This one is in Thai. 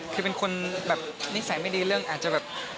คือเป็นคนแบบนิสัยไม่ดีเรื่องอาจจะแบบ